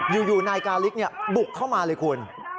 อยู่นายกาลิกบุกเข้ามาเลยคุณ